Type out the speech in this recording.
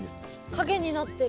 影になってる。